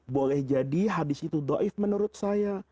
boleh jadi hadis itu do'if menurut saya